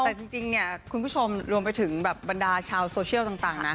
แต่จริงเนี่ยคุณผู้ชมรวมไปถึงแบบบรรดาชาวโซเชียลต่างนะ